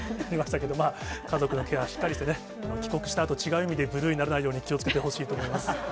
家族のケア、しっかりしてね、帰国したあと、違う意味でブルーにならないように、気をつけてほしいと思います。